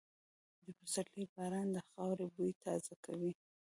د پسرلي باران د خاورې بوی تازه کوي.